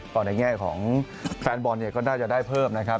ตอนในแง่ของแฟนบอร์นก็ได้จะได้เพิ่มนะครับ